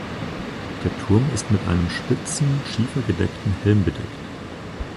Der Turm ist mit einem spitzen schiefergedeckten Helm bedeckt.